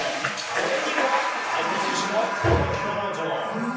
これには相手選手もこの表情。